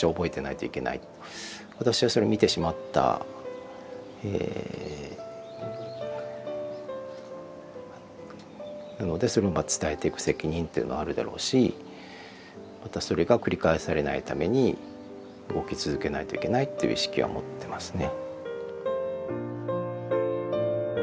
私はそれを見てしまったのでそれを伝えていく責任っていうのはあるだろうしまたそれが繰り返されないために動き続けないといけないっていう意識は持ってますね。